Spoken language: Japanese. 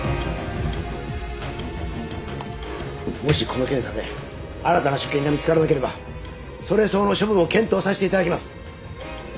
もしこの検査で新たな所見が見つからなければそれ相応の処分を検討させていただきます。